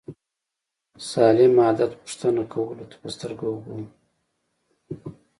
سالم عادت پوښتنه کولو ته په سترګه وګورو.